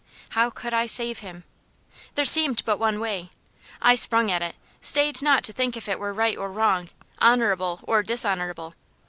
How could I save him? There seemed but one way; I sprung at it; stayed not to think if it were right or wrong, honourable or dishonourable.